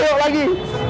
yuk yuk lagi